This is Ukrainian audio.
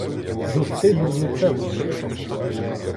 З устиду лице лупиться.